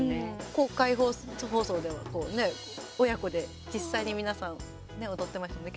公開放送ではこうね、親子で実際に皆さん踊ってましたもんね